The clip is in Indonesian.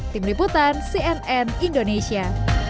tim liputan cnn indonesia